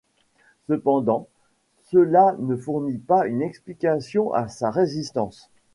Cependant, cela ne fournit pas une explication à sa résistance.